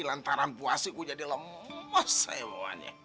lantaran puasiku jadi lemes ya bawanya